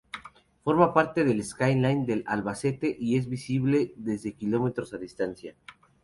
Forma parte del skyline de Albacete y es visible desde kilómetros de distancia.